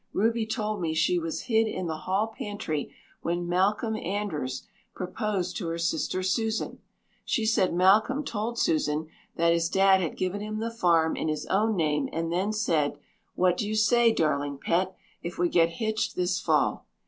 Ruby told me she was hid in the hall pantry when Malcolm Andres proposed to her sister Susan. She said Malcolm told Susan that his dad had given him the farm in his own name and then said, 'What do you say, darling pet, if we get hitched this fall?